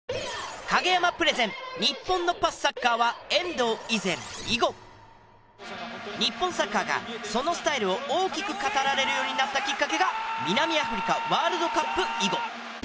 東京海上日動日本サッカーがそのスタイルを大きく語られるようになったきっかけが南アフリカ・ワールドカップ以後。